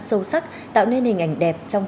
sâu sắc tạo nên hình ảnh đẹp trong